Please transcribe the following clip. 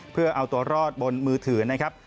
เพื่อเอาตัวรอดบนมือถือนะครับ